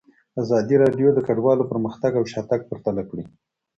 ازادي راډیو د کډوالو پرمختګ او شاتګ پرتله کړی.